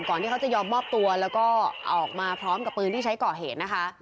ที่เขาจะยอมมอบตัวแล้วก็ออกมาพร้อมกับปืนที่ใช้ก่อเหตุนะคะ